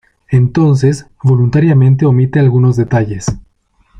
Entonces, voluntariamente omite algunos detalles.